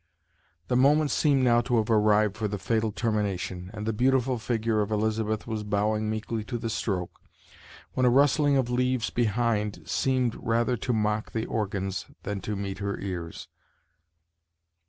The moment seemed now to have arrived for the fatal termination, and the beautiful figure of Elizabeth was bowing meekly to the stroke, when a rustling of leaves behind seemed rather to mock the organs than to meet her ears.